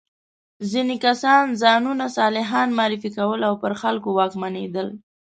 ځینې کسان ځانونه صالحان معرفي کول او پر خلکو واکمنېدل.